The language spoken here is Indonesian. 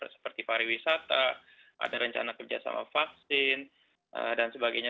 seperti pariwisata ada rencana kerja sama vaksin dan sebagainya